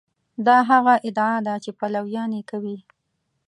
دا هغه ادعا ده چې پلویان یې کوي.